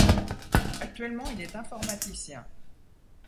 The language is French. Actuellement, il est informaticien.